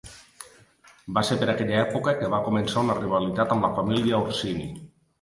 Va ser per aquella època que va començar una rivalitat amb la família Orsini.